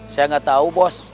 saya gak tau bos